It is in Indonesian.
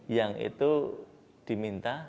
yang itu diminta